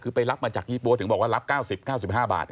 คือไปรับมาจากยี่ปั๊วถึงบอกว่ารับ๙๐๙๕บาท